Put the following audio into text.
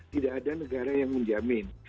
tidak ada negara yang menjamin